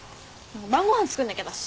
晩ご飯作んなきゃだし。